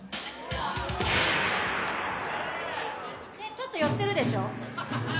ちょっと寄ってるでしょ！